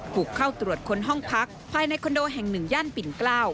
บุกเข้าตรวจค้นห้องพักภายในคอนโดแห่ง๑ย่านปิ่นเกล้า